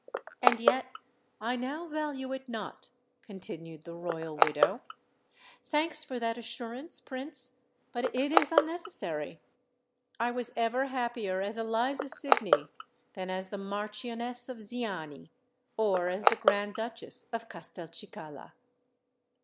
"And yet I now value it not," continued the royal widow. "Thanks for that assurance, Prince;—but it is unnecessary. I was ever happier as Eliza Sydney, than as the Marchioness of Ziani, or as the Grand Duchess of Castelcicala.